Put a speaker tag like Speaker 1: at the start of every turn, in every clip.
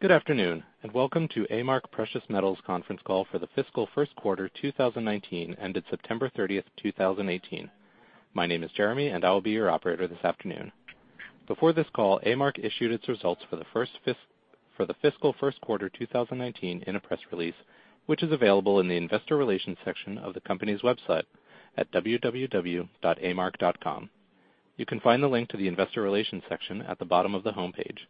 Speaker 1: Good afternoon, and welcome to A-Mark Precious Metals conference call for the fiscal first quarter 2019, ended September 30th, 2018. My name is Jeremy, and I will be your operator this afternoon. Before this call, A-Mark issued its results for the fiscal first quarter 2019 in a press release, which is available in the investor relations section of the company's website at www.amark.com. You can find the link to the investor relations section at the bottom of the homepage.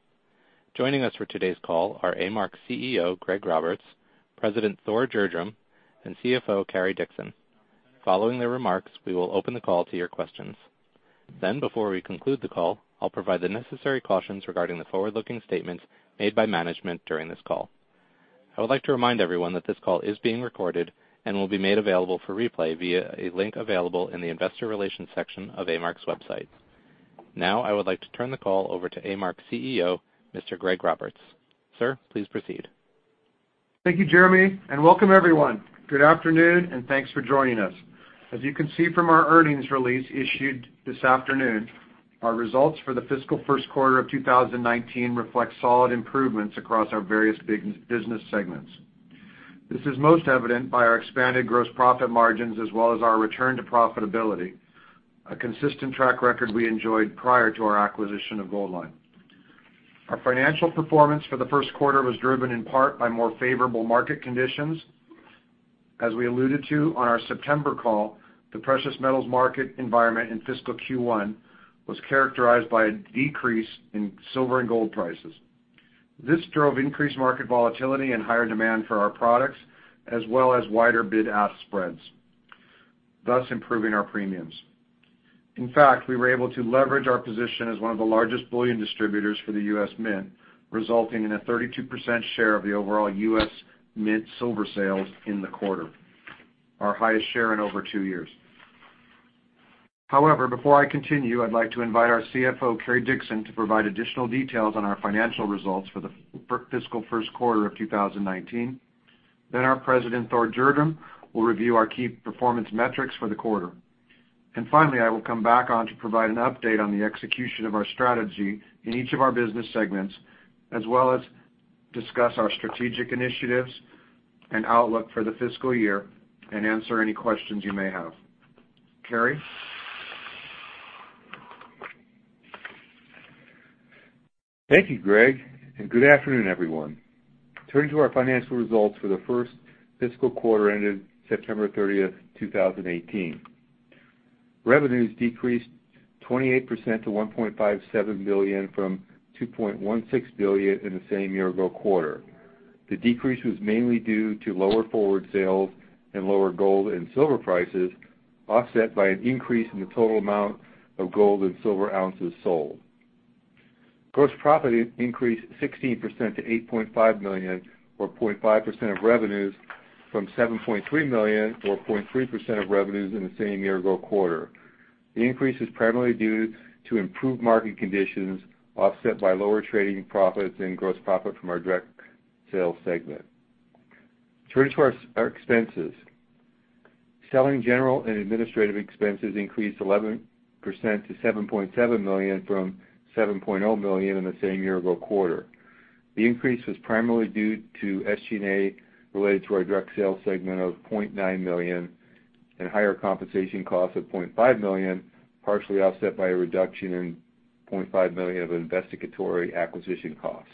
Speaker 1: Joining us for today's call are A-Mark CEO, Greg Roberts, President Thor Gjerdrum, and CFO Cary Dickson. Before we conclude the call, I'll provide the necessary cautions regarding the forward-looking statements made by management during this call. I would like to remind everyone that this call is being recorded and will be made available for replay via a link available in the investor relations section of A-Mark's website. I would like to turn the call over to A-Mark's CEO, Mr. Greg Roberts. Sir, please proceed.
Speaker 2: Thank you, Jeremy, and welcome everyone. Good afternoon, and thanks for joining us. As you can see from our earnings release issued this afternoon, our results for the fiscal first quarter of 2019 reflect solid improvements across our various business segments. This is most evident by our expanded gross profit margins as well as our return to profitability, a consistent track record we enjoyed prior to our acquisition of Goldline. Our financial performance for the first quarter was driven in part by more favorable market conditions. As we alluded to on our September call, the precious metals market environment in fiscal Q1 was characterized by a decrease in silver and gold prices. This drove increased market volatility and higher demand for our products, as well as wider bid-ask spreads, thus improving our premiums. In fact, we were able to leverage our position as one of the largest bullion distributors for the U.S. Mint, resulting in a 32% share of the overall U.S. Mint silver sales in the quarter, our highest share in over two years. Before I continue, I'd like to invite our CFO, Cary Dickson, to provide additional details on our financial results for the fiscal first quarter of 2019. Our President, Thor Gjerdrum, will review our key performance metrics for the quarter. Finally, I will come back on to provide an update on the execution of our strategy in each of our business segments, as well as discuss our strategic initiatives and outlook for the fiscal year and answer any questions you may have. Cary?
Speaker 3: Thank you, Greg, and good afternoon, everyone. Turning to our financial results for the first fiscal quarter ended September 30th, 2018. Revenues decreased 28% to $1.57 billion from $2.16 billion in the same year-ago quarter. The decrease was mainly due to lower forward sales and lower gold and silver prices, offset by an increase in the total amount of gold and silver ounces sold. Gross profit increased 16% to $8.5 million, or 0.5% of revenues from $7.3 million or 0.3% of revenues in the same year-ago quarter. The increase is primarily due to improved market conditions, offset by lower trading profits and gross profit from our direct sales segment. Turning to our expenses. Selling, general and administrative expenses increased 11% to $7.7 million from $7.0 million in the same year-ago quarter. The increase was primarily due to SG&A related to our direct sales segment of $0.9 million and higher compensation costs of $0.5 million, partially offset by a reduction in $0.5 million of investigatory acquisition costs.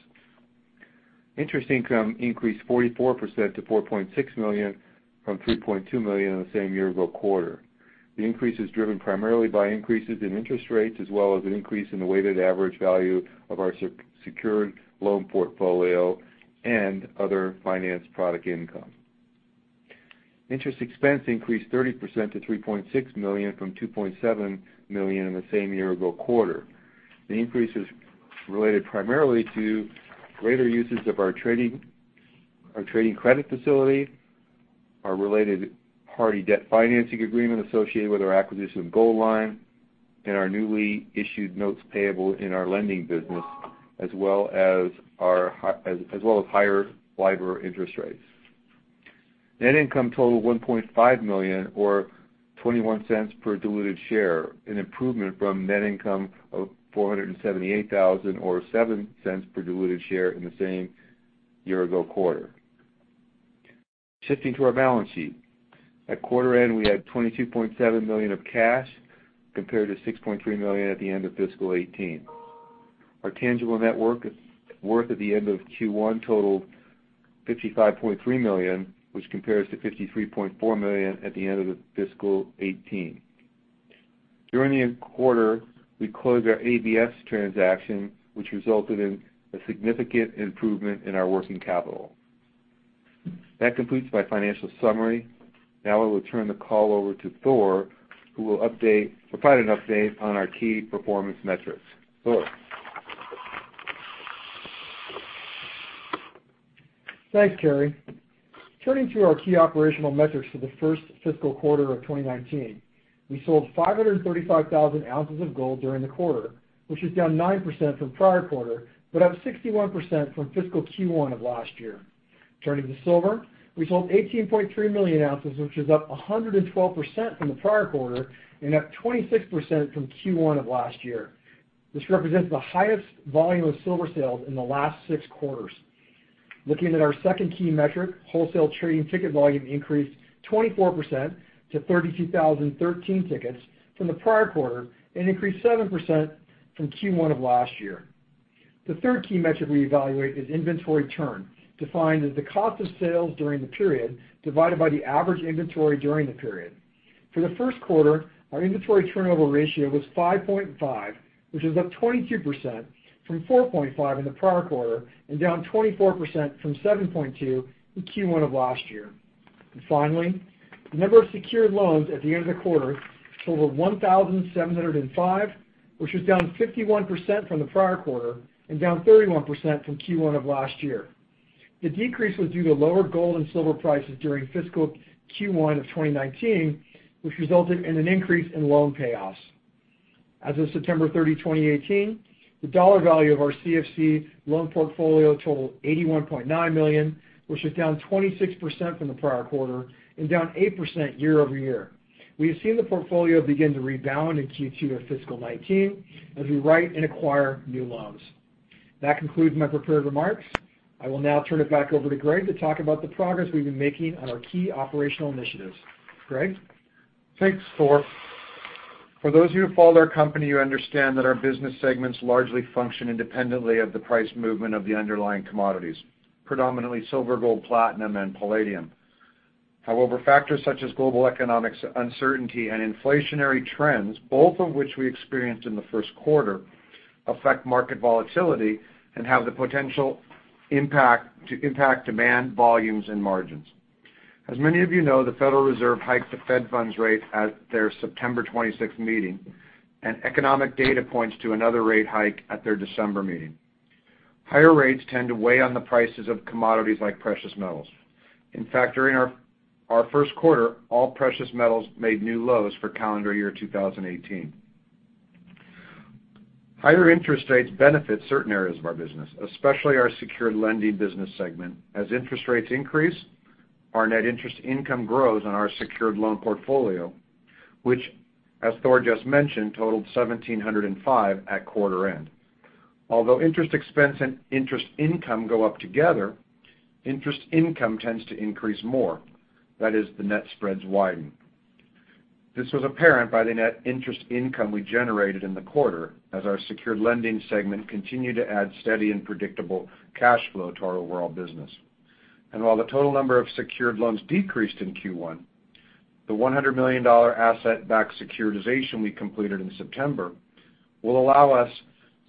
Speaker 3: Interest income increased 44% to $4.6 million from $3.2 million in the same year-ago quarter. The increase is driven primarily by increases in interest rates, as well as an increase in the weighted average value of our secured loan portfolio and other finance product income. Interest expense increased 30% to $3.6 million from $2.7 million in the same year-ago quarter. The increase is related primarily to greater uses of our trading credit facility, our related party debt financing agreement associated with our acquisition of Goldline, and our newly issued notes payable in our lending business, as well as higher LIBOR interest rates. Net income totaled $1.5 million, or $0.21 per diluted share, an improvement from net income of $478,000 or $0.07 per diluted share in the same year-ago quarter. Shifting to our balance sheet. At quarter end, we had $22.7 million of cash compared to $6.3 million at the end of fiscal 2018. Our tangible net worth at the end of Q1 totaled $55.3 million, which compares to $53.4 million at the end of fiscal 2018. During the quarter, we closed our ABS transaction, which resulted in a significant improvement in our working capital. That completes my financial summary. Now I will turn the call over to Thor, who will provide an update on our key performance metrics. Thor?
Speaker 4: Thanks, Cary. Turning to our key operational metrics for the first fiscal quarter of 2019. We sold 535,000 ounces of gold during the quarter, which is down 9% from prior quarter, but up 61% from fiscal Q1 of last year. Turning to silver, we sold 18.3 million ounces, which is up 112% from the prior quarter and up 26% from Q1 of last year. This represents the highest volume of silver sales in the last six quarters. Looking at our second key metric, wholesale trading ticket volume increased 24% to 32,013 tickets from the prior quarter and increased 7% from Q1 of last year. The third key metric we evaluate is inventory turn, defined as the cost of sales during the period divided by the average inventory during the period. For the first quarter, our inventory turnover ratio was 5.5, which is up 22% from 4.5 in the prior quarter and down 24% from 7.2 in Q1 of last year. Finally, the number of secured loans at the end of the quarter totaled 1,705, which was down 51% from the prior quarter and down 31% from Q1 of last year. The decrease was due to lower gold and silver prices during fiscal Q1 of 2019, which resulted in an increase in loan payoffs. As of September 30, 2018, the dollar value of our CFC loan portfolio totaled $81.9 million, which was down 26% from the prior quarter and down 8% year-over-year. We have seen the portfolio begin to rebound in Q2 of fiscal 2019 as we write and acquire new loans. That concludes my prepared remarks. I will now turn it back over to Greg to talk about the progress we've been making on our key operational initiatives. Greg?
Speaker 2: Thanks, Thor. For those of you who follow our company, you understand that our business segments largely function independently of the price movement of the underlying commodities, predominantly silver, gold, platinum, and palladium. However, factors such as global economics uncertainty and inflationary trends, both of which we experienced in the first quarter, affect market volatility and have the potential to impact demand, volumes, and margins. As many of you know, the Federal Reserve hiked the fed funds rate at their September 26th meeting, and economic data points to another rate hike at their December meeting. Higher rates tend to weigh on the prices of commodities like precious metals. In fact, during our first quarter, all precious metals made new lows for calendar year 2018. Higher interest rates benefit certain areas of our business, especially our secured lending business segment. As interest rates increase, our net interest income grows on our secured loan portfolio, which, as Thor just mentioned, totaled 1,705 at quarter end. Although interest expense and interest income go up together, interest income tends to increase more. That is, the net spreads widen. This was apparent by the net interest income we generated in the quarter as our secured lending segment continued to add steady and predictable cash flow to our overall business. While the total number of secured loans decreased in Q1, the $100 million asset-backed securitization we completed in September will allow us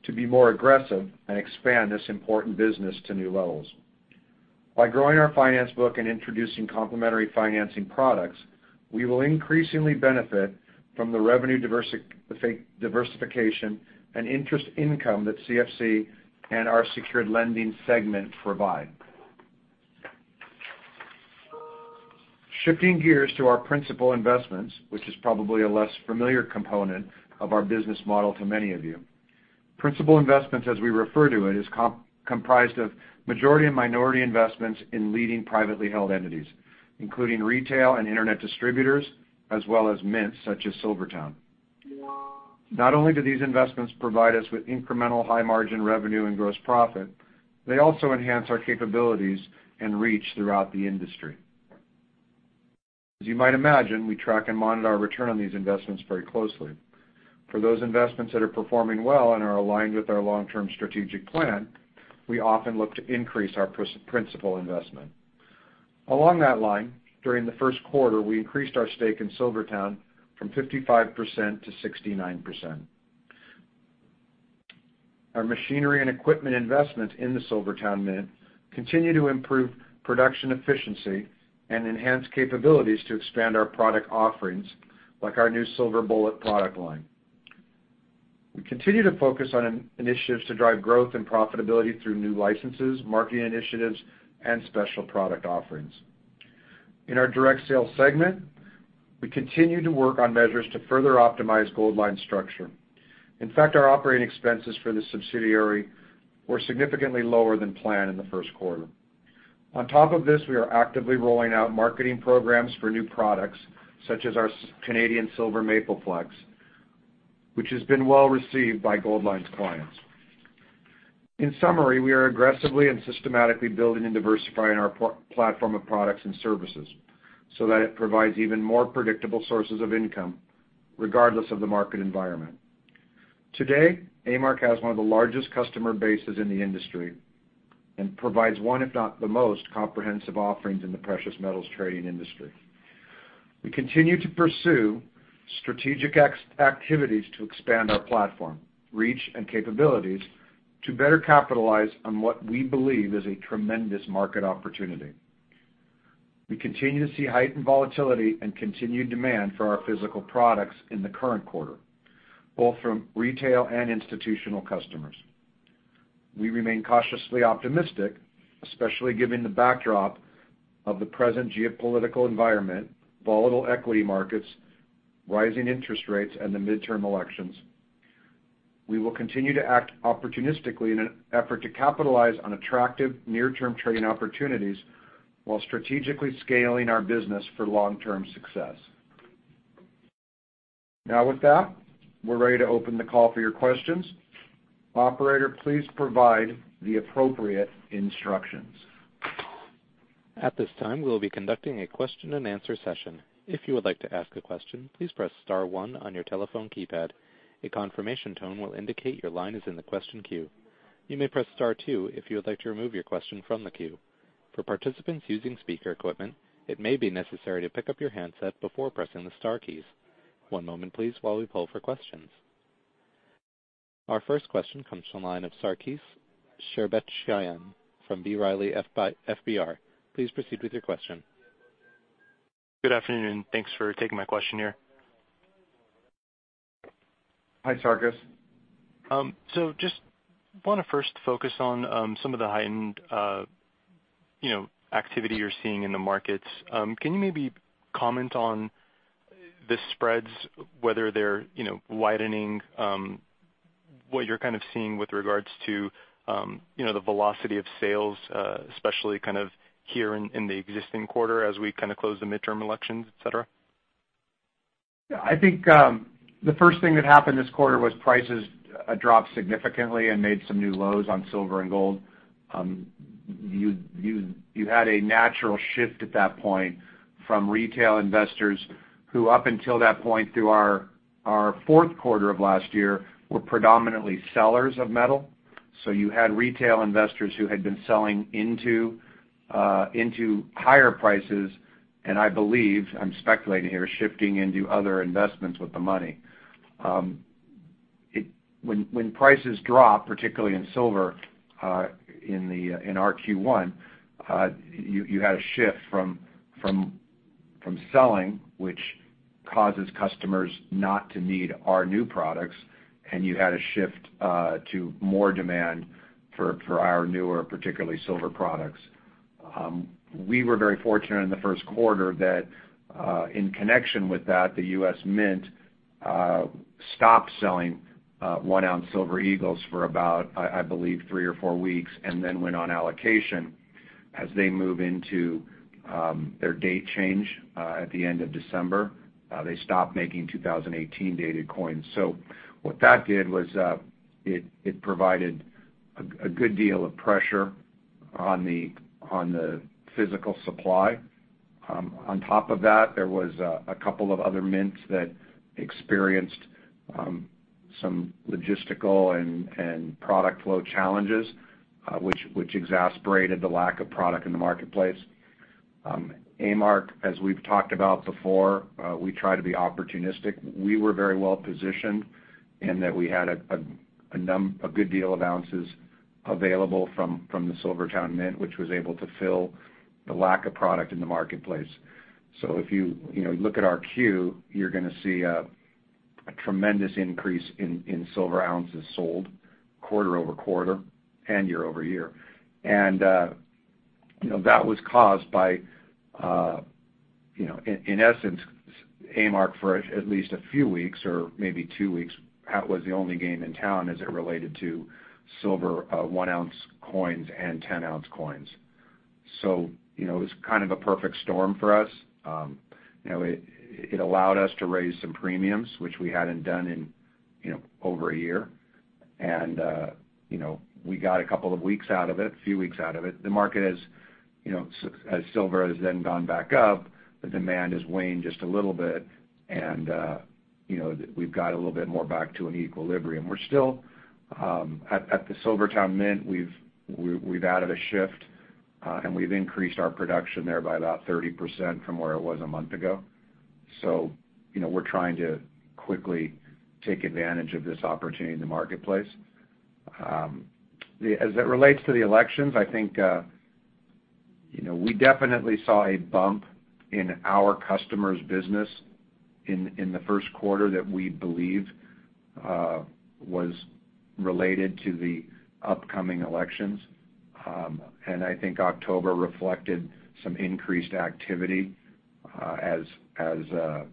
Speaker 2: to be more aggressive and expand this important business to new levels. By growing our finance book and introducing complementary financing products, we will increasingly benefit from the revenue diversification and interest income that CFC and our secured lending segment provide. Shifting gears to our principal investments, which is probably a less familiar component of our business model to many of you. Principal investments, as we refer to it, is comprised of majority and minority investments in leading privately held entities, including retail and internet distributors, as well as mints such as SilverTowne. Not only do these investments provide us with incremental high-margin revenue and gross profit, they also enhance our capabilities and reach throughout the industry. As you might imagine, we track and monitor our return on these investments very closely. For those investments that are performing well and are aligned with our long-term strategic plan, we often look to increase our principal investment. Along that line, during the first quarter, we increased our stake in SilverTowne from 55%-69%. Our machinery and equipment investment in the SilverTowne Mint continue to improve production efficiency and enhance capabilities to expand our product offerings, like our new Silver Bullet product line. We continue to focus on initiatives to drive growth and profitability through new licenses, marketing initiatives, and special product offerings. In our direct sales segment, we continue to work on measures to further optimize Goldline's structure. In fact, our operating expenses for this subsidiary were significantly lower than planned in the first quarter. On top of this, we are actively rolling out marketing programs for new products, such as our Canadian Silver Maple Leaf, which has been well-received by Goldline's clients. In summary, we are aggressively and systematically building and diversifying our platform of products and services so that it provides even more predictable sources of income regardless of the market environment. Today, A-Mark has one of the largest customer bases in the industry and provides one if not the most comprehensive offerings in the precious metals trading industry. We continue to pursue strategic activities to expand our platform, reach, and capabilities to better capitalize on what we believe is a tremendous market opportunity. We continue to see heightened volatility and continued demand for our physical products in the current quarter, both from retail and institutional customers. We remain cautiously optimistic, especially given the backdrop of the present geopolitical environment, volatile equity markets, rising interest rates, and the midterm elections. We will continue to act opportunistically in an effort to capitalize on attractive near-term trade opportunities while strategically scaling our business for long-term success. With that, we're ready to open the call for your questions. Operator, please provide the appropriate instructions.
Speaker 1: At this time, we will be conducting a question and answer session. If you would like to ask a question, please press star one on your telephone keypad. A confirmation tone will indicate your line is in the question queue. You may press star two if you would like to remove your question from the queue. For participants using speaker equipment, it may be necessary to pick up your handset before pressing the star keys. One moment please while we poll for questions. Our first question comes from the line of Sarkis Sherbetchyan from B. Riley FBR. Please proceed with your question.
Speaker 5: Good afternoon. Thanks for taking my question here.
Speaker 2: Hi, Sarkis.
Speaker 5: Just want to first focus on some of the heightened activity you're seeing in the markets. Can you maybe comment on the spreads, whether they're widening, what you're kind of seeing with regards to the velocity of sales, especially here in the existing quarter as we close the midterm elections, et cetera?
Speaker 2: I think the first thing that happened this quarter was prices dropped significantly and made some new lows on silver and gold. You had a natural shift at that point from retail investors who, up until that point through our fourth quarter of last year, were predominantly sellers of metal. You had retail investors who had been selling into higher prices, and I believe, I'm speculating here, shifting into other investments with the money. When prices drop, particularly in silver in our Q1, you had a shift from selling, which causes customers not to need our new products, and you had a shift to more demand for our newer, particularly silver products. We were very fortunate in the first quarter that, in connection with that, the U.S. Mint stopped selling one ounce Silver Eagles for about, I believe, three or four weeks, and then went on allocation as they move into their date change at the end of December. They stopped making 2018-dated coins. There was a couple of other mints that experienced some logistical and product flow challenges, which exasperated the lack of product in the marketplace. A-Mark, as we've talked about before, we try to be opportunistic. We were very well-positioned in that we had a good deal of ounces available from the SilverTowne Mint, which was able to fill the lack of product in the marketplace. If you look at our Q, you're going to see a tremendous increase in silver ounces sold quarter-over-quarter and year-over-year. That was caused by, in essence, A-Mark for at least a few weeks or maybe two weeks, was the only game in town as it related to silver one-ounce coins and 10-ounce coins. It was kind of a perfect storm for us. It allowed us to raise some premiums, which we hadn't done in over a year. We got a couple of weeks out of it, a few weeks out of it. The market as silver has then gone back up, the demand has waned just a little bit and we've got a little bit more back to an equilibrium. At the SilverTowne Mint, we've added a shift, and we've increased our production there by about 30% from where it was a month ago. We're trying to quickly take advantage of this opportunity in the marketplace. As it relates to the elections, I think we definitely saw a bump in our customers' business in the first quarter that we believe was related to the upcoming elections. I think October reflected some increased activity as the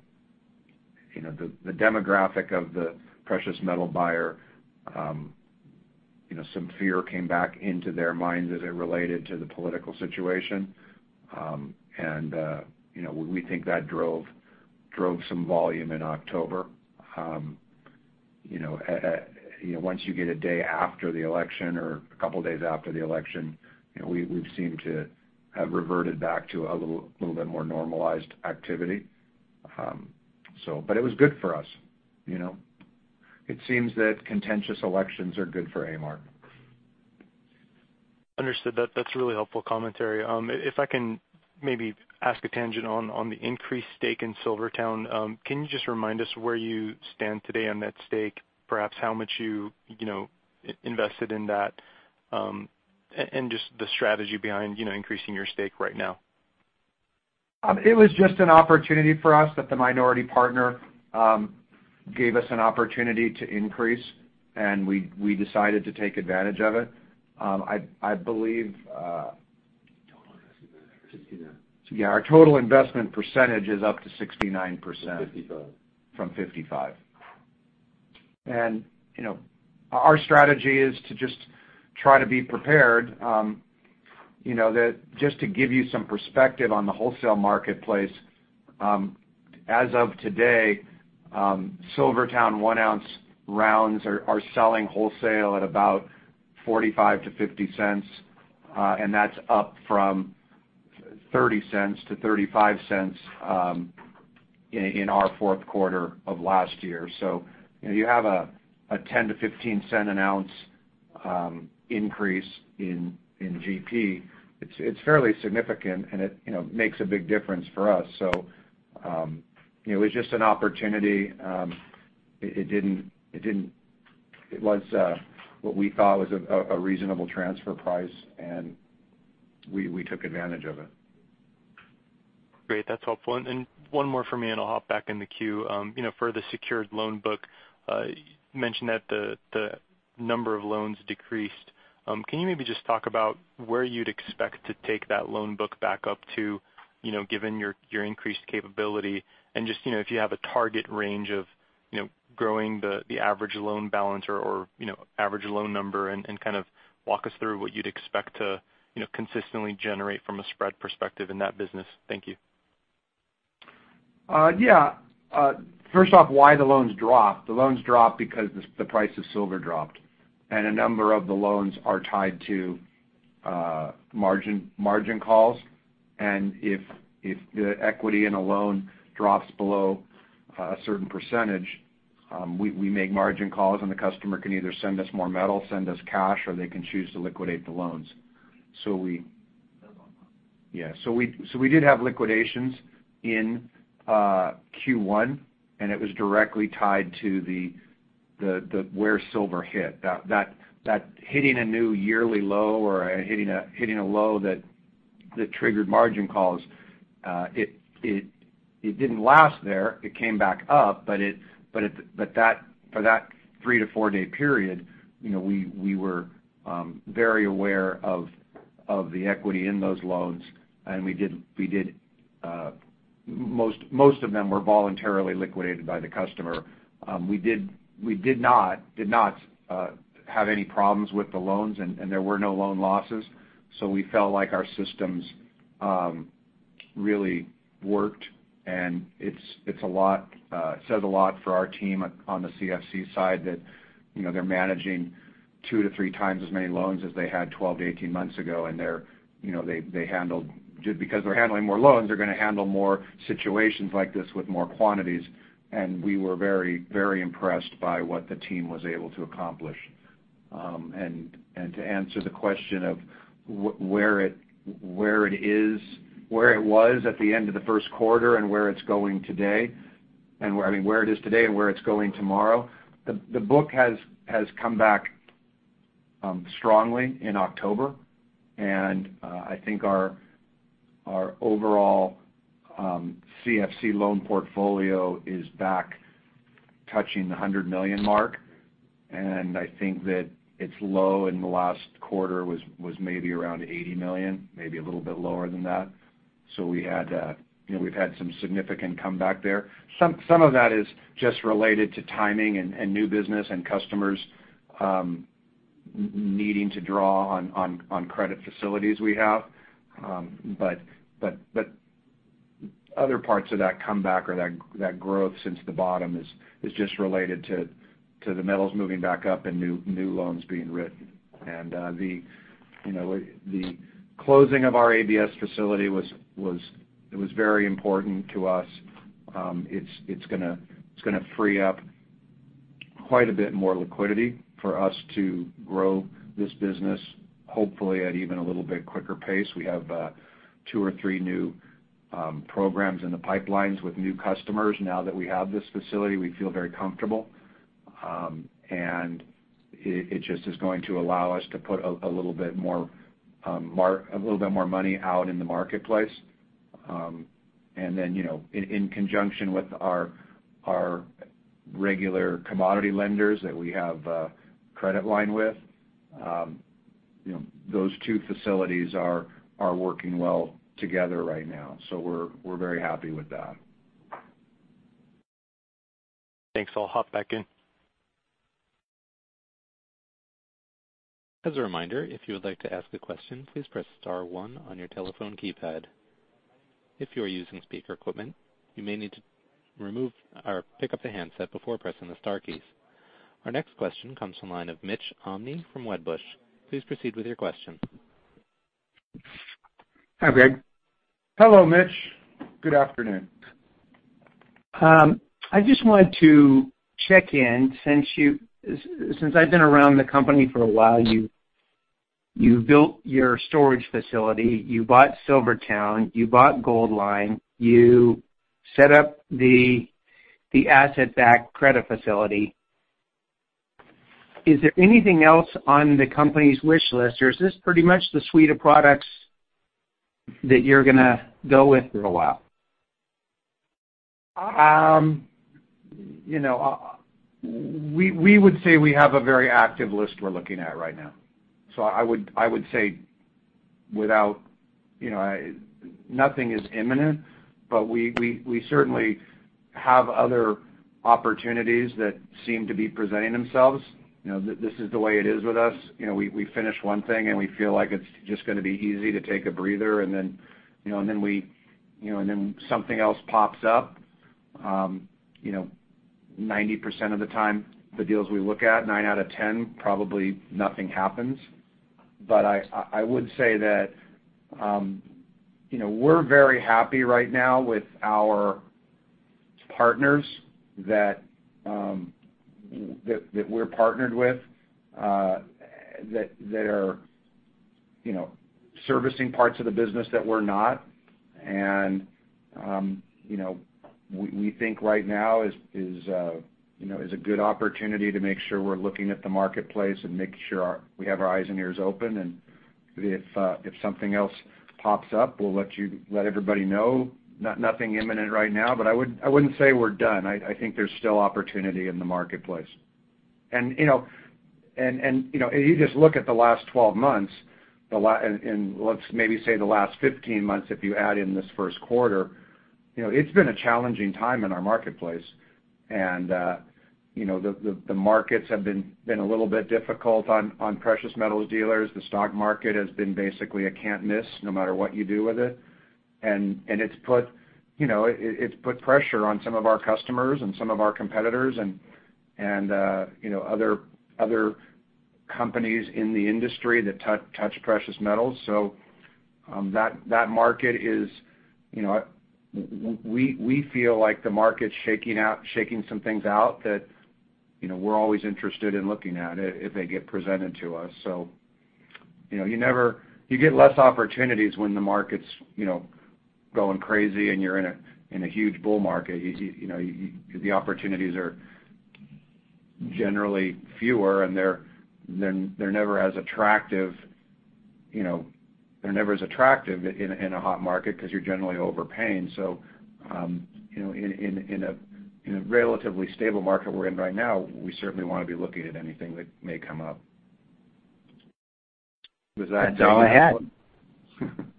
Speaker 2: demographic of the precious metal buyer, some fear came back into their minds as it related to the political situation. We think that drove some volume in October. Once you get a day after the election or a couple of days after the election, we've seemed to have reverted back to a little bit more normalized activity. It was good for us. It seems that contentious elections are good for A-Mark.
Speaker 5: Understood. That's really helpful commentary. If I can maybe ask a tangent on the increased stake in SilverTowne, can you just remind us where you stand today on that stake, perhaps how much you invested in that, and just the strategy behind increasing your stake right now?
Speaker 2: It was just an opportunity for us that the minority partner gave us an opportunity to increase, and we decided to take advantage of it. I believe-
Speaker 3: 69%.
Speaker 2: Yeah. Our total investment percentage is up to 69%.
Speaker 3: From 55%.
Speaker 2: From 55%. Our strategy is to just try to be prepared. Just to give you some perspective on the wholesale marketplace, as of today, SilverTowne one ounce rounds are selling wholesale at about $0.45-$0.50, and that's up from $0.30-$0.35 in our fourth quarter of last year. You have a $0.10-$0.15 an ounce increase in GP. It's fairly significant, and it makes a big difference for us. It was just an opportunity. It was what we thought was a reasonable transfer price, and we took advantage of it.
Speaker 5: Great. That's helpful. One more from me, and I'll hop back in the queue. Can you maybe just talk about where you'd expect to take that loan book back up to, given your increased capability and just if you have a target range of growing the average loan balance or average loan number, and kind of walk us through what you'd expect to consistently generate from a spread perspective in that business. Thank you.
Speaker 2: Yeah. First off, why the loans dropped. The loans dropped because the price of silver dropped, and a number of the loans are tied to margin calls. If the equity in a loan drops below a certain percentage, we make margin calls, and the customer can either send us more metal, send us cash, or they can choose to liquidate the loans. We did have liquidations in Q1, and it was directly tied to where silver hit. That hitting a new yearly low or hitting a low that triggered margin calls, it didn't last there. It came back up. For that three- to four-day period, we were very aware of the equity in those loans, and most of them were voluntarily liquidated by the customer. We did not have any problems with the loans, and there were no loan losses. We felt like our systems really worked, and it says a lot for our team on the CFC side that they're managing two to three times as many loans as they had 12-18 months ago. Because they're handling more loans, they're going to handle more situations like this with more quantities. We were very impressed by what the team was able to accomplish. To answer the question of where it was at the end of the first quarter and where it's going today, I mean, where it is today and where it's going tomorrow, the book has come back strongly in October. I think our overall CFC loan portfolio is back touching the $100 million mark. I think that its low in the last quarter was maybe around $80 million, maybe a little bit lower than that. We've had some significant comeback there. Some of that is just related to timing and new business and customers needing to draw on credit facilities we have. Other parts of that comeback or that growth since the bottom is just related to the metals moving back up and new loans being written. The closing of our ABS facility it was very important to us. It's going to free up quite a bit more liquidity for us to grow this business, hopefully at even a little bit quicker pace. We have two or three new programs in the pipelines with new customers. Now that we have this facility, we feel very comfortable. It just is going to allow us to put a little bit more money out in the marketplace. In conjunction with our regular commodity lenders that we have a credit line with, those two facilities are working well together right now. We're very happy with that.
Speaker 5: Thanks. I'll hop back in.
Speaker 1: As a reminder, if you would like to ask a question, please press star one on your telephone keypad. If you are using speaker equipment, you may need to pick up the handset before pressing the star keys. Our next question comes from the line of Mitch Loewenberg from Wedbush. Please proceed with your question.
Speaker 6: Hi, Greg.
Speaker 2: Hello, Mitch. Good afternoon.
Speaker 6: I just wanted to check in since I've been around the company for a while. You built your storage facility, you bought SilverTowne, you bought Goldline, you set up the asset-backed credit facility. Is there anything else on the company's wish list, or is this pretty much the suite of products that you're going to go with for a while?
Speaker 2: We would say we have a very active list we're looking at right now. I would say nothing is imminent, but we certainly have other opportunities that seem to be presenting themselves. This is the way it is with us. We finish one thing, we feel like it's just going to be easy to take a breather, then something else pops up. 90% of the time, the deals we look at, nine out of 10, probably nothing happens. I would say that we're very happy right now with our partners that we're partnered with that are servicing parts of the business that we're not. We think right now is a good opportunity to make sure we're looking at the marketplace and making sure we have our eyes and ears open. If something else pops up, we'll let everybody know. Nothing imminent right now, I wouldn't say we're done. I think there's still opportunity in the marketplace. You just look at the last 12 months, and let's maybe say the last 15 months, if you add in this first quarter, it's been a challenging time in our marketplace. The markets have been a little bit difficult on precious metals dealers. The stock market has been basically a can't-miss no matter what you do with it. It's put pressure on some of our customers and some of our competitors and other companies in the industry that touch precious metals. We feel like the market's shaking some things out that we're always interested in looking at if they get presented to us. You get less opportunities when the market's going crazy, and you're in a huge bull market. The opportunities are generally fewer, and they're never as attractive in a hot market because you're generally overpaying. In a relatively stable market we're in right now, we certainly want to be looking at anything that may come up. Was that helpful?
Speaker 6: That's all I had.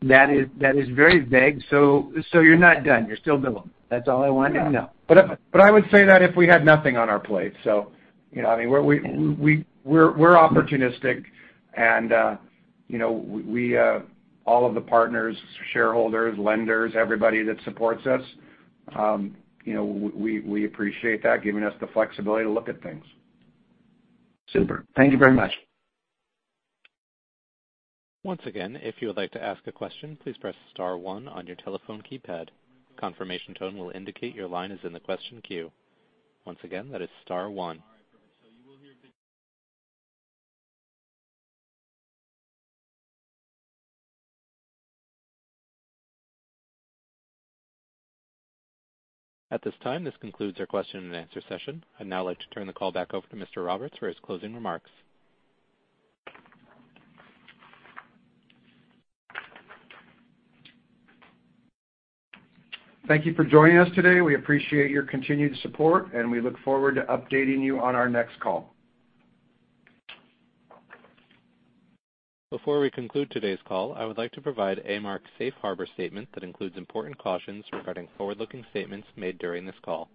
Speaker 6: That is very vague. You're not done. You're still building. That's all I wanted to know.
Speaker 2: I would say that if we had nothing on our plate. We're opportunistic, and all of the partners, shareholders, lenders, everybody that supports us, we appreciate that, giving us the flexibility to look at things.
Speaker 6: Super. Thank you very much.
Speaker 1: Once again, if you would like to ask a question, please press star one on your telephone keypad. Confirmation tone will indicate your line is in the question queue. Once again, that is star one. At this time, this concludes our question and answer session. I'd now like to turn the call back over to Mr. Roberts for his closing remarks.
Speaker 2: Thank you for joining us today. We appreciate your continued support, and we look forward to updating you on our next call.
Speaker 1: Before we conclude today's call, I would like to provide A-Mark's Safe Harbor statement that includes important cautions regarding forward-looking statements made during this call.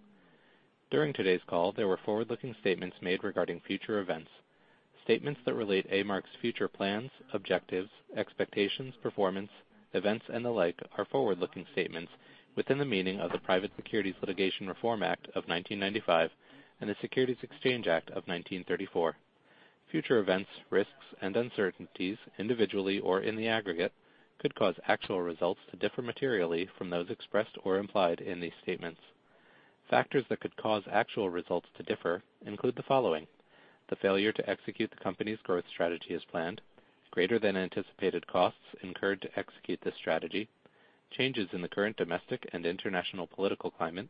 Speaker 1: During today's call, there were forward-looking statements made regarding future events. Statements that relate A-Mark's future plans, objectives, expectations, performance, events, and the like are forward-looking statements within the meaning of the Private Securities Litigation Reform Act of 1995 and the Securities Exchange Act of 1934. Future events, risks, and uncertainties, individually or in the aggregate, could cause actual results to differ materially from those expressed or implied in these statements. Factors that could cause actual results to differ include the following. The failure to execute the company's growth strategy as planned, greater than anticipated costs incurred to execute this strategy, changes in the current domestic and international political climate,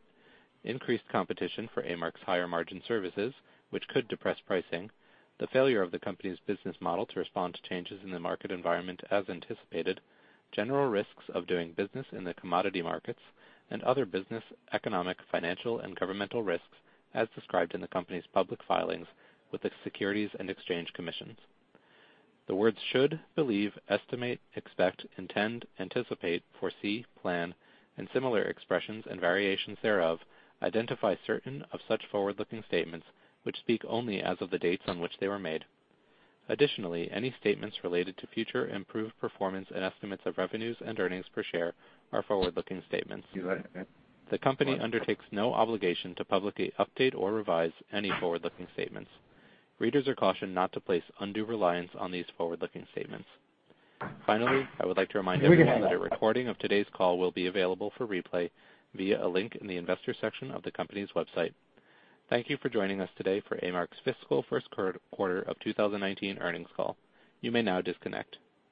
Speaker 1: increased competition for A-Mark's higher margin services, which could depress pricing, the failure of the company's business model to respond to changes in the market environment as anticipated, general risks of doing business in the commodity markets, and other business, economic, financial, and governmental risks as described in the company's public filings with the Securities and Exchange Commission. The words should, believe, estimate, expect, intend, anticipate, foresee, plan, and similar expressions and variations thereof, identify certain of such forward-looking statements, which speak only as of the dates on which they were made. Additionally, any statements related to future improved performance and estimates of revenues and earnings per share are forward-looking statements. The company undertakes no obligation to publicly update or revise any forward-looking statements. Readers are cautioned not to place undue reliance on these forward-looking statements. Finally, I would like to remind everyone that a recording of today's call will be available for replay via a link in the investor section of the company's website. Thank you for joining us today for A-Mark's fiscal first quarter of 2019 earnings call. You may now disconnect.